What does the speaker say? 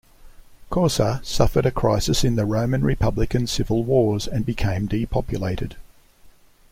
Cosa suffered a crisis in the Roman Republican civil wars and became depopulated.